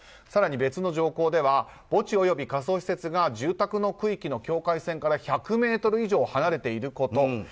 更に別の条項では墓地および火葬施設が住宅の区域の境界線から１００ｍ以上離れていること。